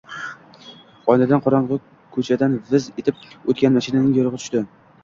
Oynadan qorongʼi koʼchadan «viz» etib oʼtgan mashinaning yorugʼi tushdi.